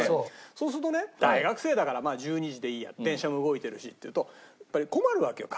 そうするとね「大学生だから１２時でいいや電車も動いてるし」って言うと困るわけよ